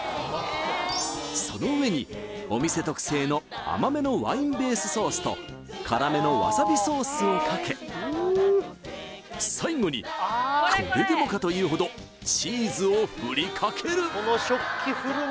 その上にお店特製の甘めのワインベースソースと辛めのわさびソースをかけ最後にこれでもかというほどチーズをふりかける！